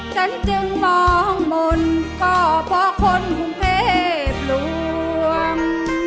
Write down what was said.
ฉันจึงมองมนต์เพราะเพราะคนหุ่นเพศรวม